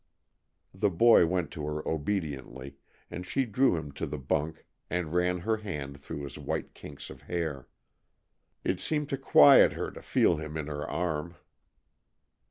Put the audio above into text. The boy went to her obediently, and she drew him on to the bunk and ran her hand through his white kinks of hair. It seemed to quiet her to feel him in her arm.